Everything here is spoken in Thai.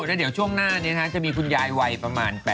เดี๋ยวช่วงหน้านี้นะจะมีคุณยายเป็นวัยประมาณ๘๖นะ